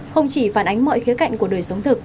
không chỉ phản ánh mọi khía cạnh của đời sống thực